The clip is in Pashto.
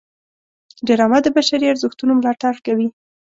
ډرامه د بشري ارزښتونو ملاتړ کوي